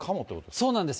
そうなんですよ。